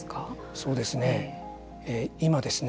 そうですね